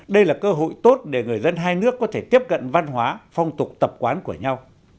đây là cơ hội tốt để người dân hai nước có thể tiếp cận văn hóa phong tục tập quán của nhau